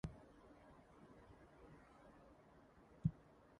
They involve folding and faulting.